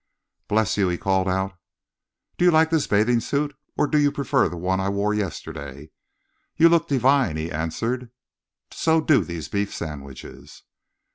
"Bless you!" he called out. "Do you like this bathing suit, or do you prefer the one I wore yesterday?" "You look divine," he answered. "So do these beef sandwiches."